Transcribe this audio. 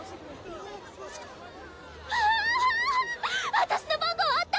私の番号あった！